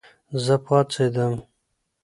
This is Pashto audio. زه پاڅېدم